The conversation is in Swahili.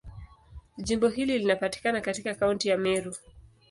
Jimbo hili linapatikana katika Kaunti ya Meru.